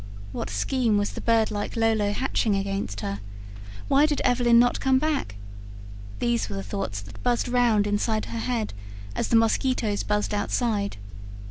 What scheme was the birdlike Lolo hatching against her? Why did Evelyn not come back? these were the thoughts that buzzed round inside her head, as the mosquitoes buzzed outside.